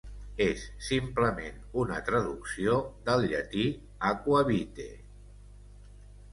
És simplement una traducció del llatí "aqua vitae".